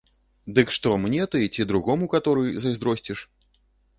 Дык што мне ты ці другому, каторы, зайздросціш?